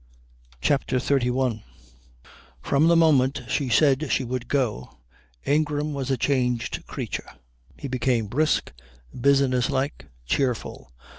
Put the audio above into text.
CHAPTER XXXI From the moment she said she would go Ingram was a changed creature. He became brisk, business like, cheerful.